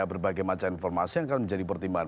berbagai macam informasi yang akan menjadi pertimbangan